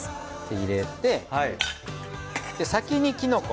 入れて先にきのこ。